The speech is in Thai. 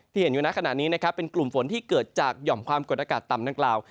เห็นอยู่ในขณะนี้นะครับเป็นกลุ่มฝนที่เกิดจากหย่อมความกดอากาศต่ำนักกล่าว